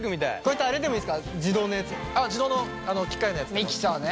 あ自動の機械のやつでも。